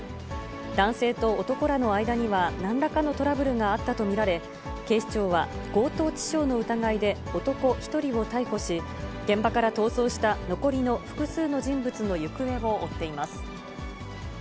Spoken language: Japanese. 男性と男らの間には、なんらかのトラブルがあったと見られ、警視庁は、強盗致傷の疑いで男１人を逮捕し、現場から逃走した残りの複数の人物の行方を追っています。